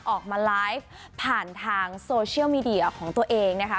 ออกมาไลฟ์ผ่านทางโซเชียลมีเดียของตัวเองนะคะ